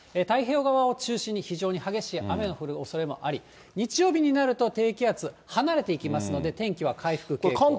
太平洋側を中心に非常に激しい雨の降るおそれもあり、日曜日になると、低気圧、離れていきますので、天気は回復傾向。